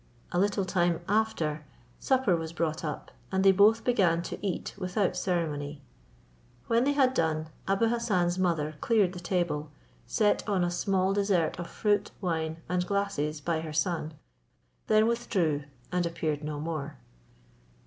A little time after, supper was brought up, and they both began to eat without ceremony. When they had done, Abou Hassan's mother cleared the table, set on a small dessert of fruit, wine, and glasses by her son, then withdrew, and appeared no more.